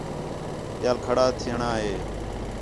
ٻِیال کھڑا تھیوݨاں ہِے